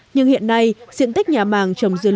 nhưng hiện nay diện tích nhà màng trồng dưa hấu tí hon